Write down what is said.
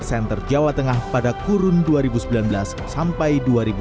center jawa tengah pada kurun dua ribu sembilan belas sampai dua ribu dua puluh